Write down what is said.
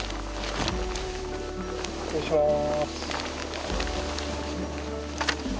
失礼します。